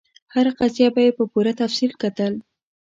هره قضیه به یې په پوره تفصیل کتل.